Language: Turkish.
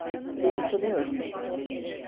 Beni tanıyorsun.